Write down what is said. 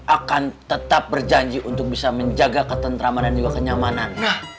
akan tetap berjanji untuk bisa menjaga ketentraman dan juga kenyamanan